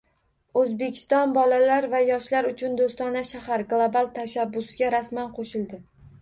O‘zbekiston «Bolalar va yoshlar uchun do‘stona shahar» global tashabbusiga rasman qo‘shildi